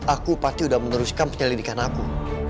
aku pasti sudah meneruskan penyelidikan aku